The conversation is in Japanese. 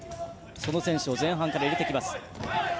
その選手を前半から入れてきます。